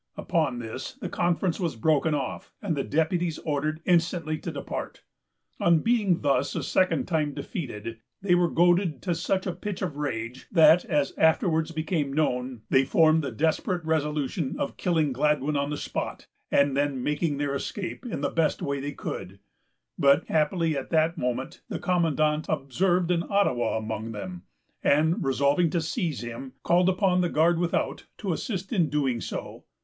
Upon this, the conference was broken off, and the deputies ordered instantly to depart. On being thus a second time defeated, they were goaded to such a pitch of rage, that, as afterwards became known, they formed the desperate resolution of killing Gladwyn on the spot, and then making their escape in the best way they could; but, happily, at that moment the commandant observed an Ottawa among them, and, resolving to seize him, called upon the guard without to assist in doing so.